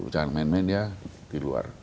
jangan main main dia di luar